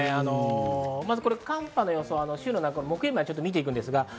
まず寒波の予想、木曜日まで見てきます。